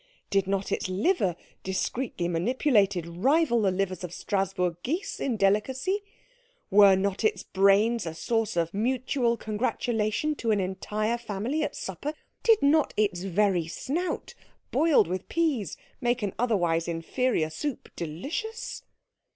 Did not its liver, discreetly manipulated, rival the livers of Strasburg geese in delicacy? Were not its brains a source of mutual congratulation to an entire family at supper? Did not its very snout, boiled with peas, make an otherwise inferior soup delicious?